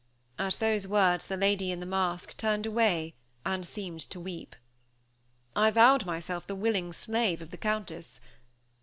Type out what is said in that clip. At those words the lady in the mask turned away and seemed to weep. I vowed myself the willing slave of the Countess.